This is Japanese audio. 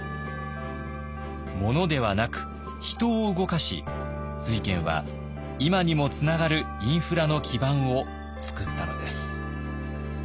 物ではなく人を動かし瑞賢は今にもつながるインフラの基盤を作ったのです。